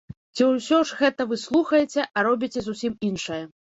Ці ўсё ж гэта вы слухаеце, а робіце зусім іншае.